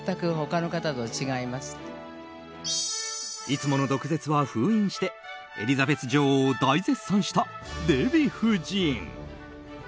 いつもの毒舌は封印してエリザベス女王を大絶賛したデヴィ夫人。